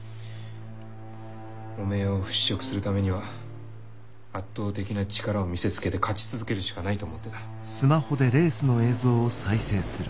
汚名を払拭するためには圧倒的な力を見せつけて勝ち続けるしかないと思ってた。